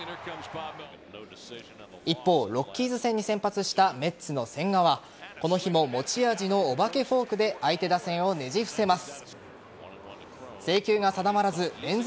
一方、ロッキーズ戦に先発したメッツの千賀はこの日も持ち味のお化けフォークで相手打線をねじ伏せます。